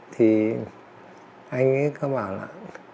thì anh ấy có bảo là